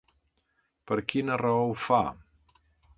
Per quina raó ho fa?